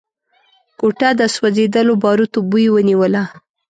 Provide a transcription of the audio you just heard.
کوټه د سوځېدلو باروتو بوی ونيوله.